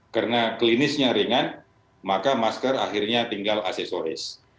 karena klinisnya ringan maka masker akhirnya tinggal aksesoris